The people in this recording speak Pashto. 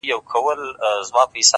و دې محفل ته سوخه شنگه پېغلچکه راځي!